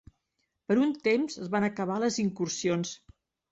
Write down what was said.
Per un temps es van acabar les incursions.